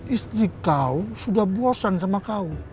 istri kau sudah bosan sama kau